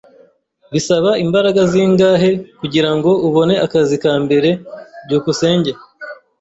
Bisaba imbaraga zingahe kugirango ubone akazi ka mbere? byukusenge